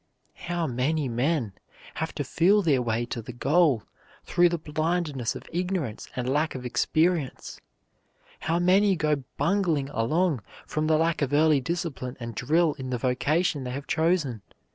How many men have to feel their way to the goal through the blindness of ignorance and lack of experience? How many go bungling along from the lack of early discipline and drill in the vocation they have chosen?